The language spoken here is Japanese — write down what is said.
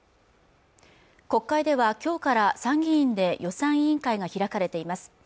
国会ではきょうから参議院で予算委員会が開かれています